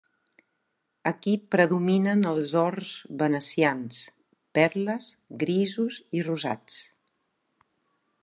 Aquí predominen els ors venecians, perles, grisos i rosats.